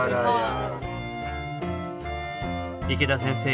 池田先生